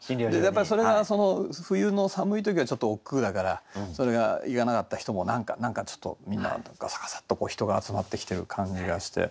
やっぱりそれが冬の寒い時はちょっとおっくうだからそれが行かなかった人も何かちょっとみんなガサガサッと人が集まってきてる感じがして。